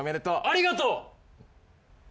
ありがとう。